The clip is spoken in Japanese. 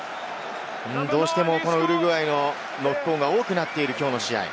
どうしてもウルグアイのノックオンが多くなっているきょうの試合。